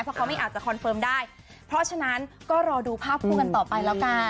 เพราะเขาไม่อาจจะคอนเฟิร์มได้เพราะฉะนั้นก็รอดูภาพคู่กันต่อไปแล้วกัน